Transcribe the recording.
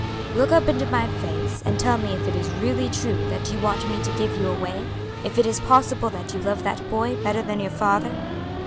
"Look up into my face and tell me if it is really true that you want me to give you away? if it is possible that you love that boy better than your father?"